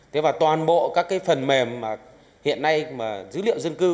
thế và toàn bộ các cái phần mềm mà hiện nay mà dữ liệu dân cư